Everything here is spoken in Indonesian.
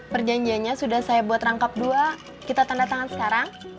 perjanjiannya sudah saya buat rangkap dua kita tanda tangan sekarang